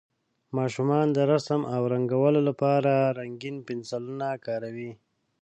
ماشومان د رسم او رنګولو لپاره رنګین پنسلونه کاروي.